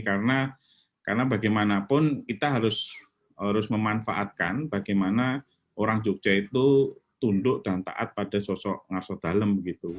karena bagaimanapun kita harus memanfaatkan bagaimana orang jogja itu tunduk dan taat pada sosok sosok dalam